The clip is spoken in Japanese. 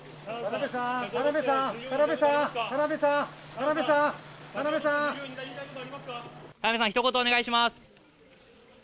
田辺さん、ひと言お願いします。